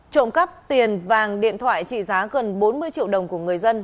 trộm cắp tiền vàng điện thoại trị giá gần bốn mươi triệu đồng của người dân